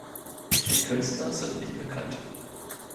Die Künstler sind nicht bekannt.